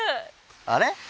あれ？